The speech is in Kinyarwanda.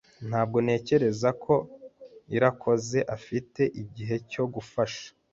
Ntabwo ntekereza ko Irakoze afite igihe cyo gufasha.